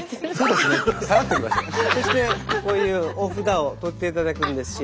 そしてこういうお札を取っていただくんですよ。